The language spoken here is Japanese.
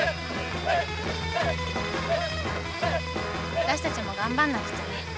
わたしたちも頑張んなくちゃね。